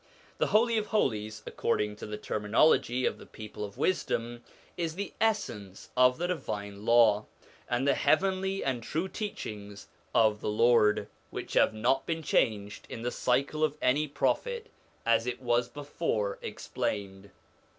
The Holy of Holies, according to the terminology of the people of wisdom, is the essence of the Divine Law, and the heavenly and true teachings of the Lord, which have not been changed in the cycle of any Prophet, as it was before explained.